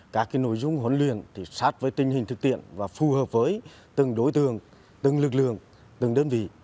các nội dung huấn luyện sát với tình hình thực tiện và phù hợp với từng đối tượng từng lực lượng từng đơn vị